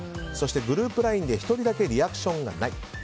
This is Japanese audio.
グループＬＩＮＥで１人だけリアクションがない。